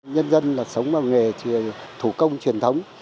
nhân dân là sống vào nghề thủ công truyền thống